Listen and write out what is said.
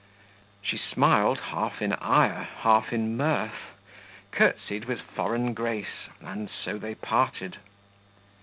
She smiled, half in ire, half in mirth, curtsied with foreign grace, and so they parted.